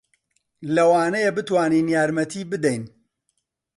لەوانەیە بتوانین یارمەتی بدەین.